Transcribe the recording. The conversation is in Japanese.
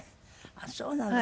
ああそうなの。